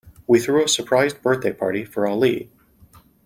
We threw a surprise birthday party for Ali.